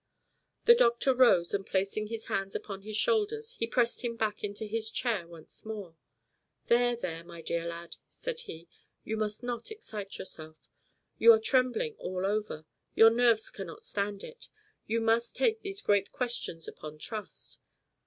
The doctor rose and placing his hands upon his shoulders he pressed him back into his chair once more. "There, there, my dear lad," said he; "you must not excite yourself. You are trembling all over. Your nerves cannot stand it. We must take these great questions upon trust.